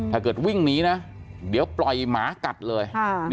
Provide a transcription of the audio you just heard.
ถ้าเกิดวิ่งหนีนะเดี๋ยวปล่อยหมากัดเลย